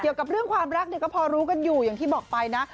เกี่ยวกับเรื่องความรักเนี่ยก็พอรู้กันอยู่อย่างที่บอกไปนะ